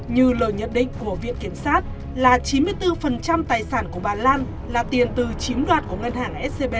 như lời nhận định của viện kiểm sát là chín mươi bốn tài sản của bà lan là tiền từ chiếm đoạt của ngân hàng scb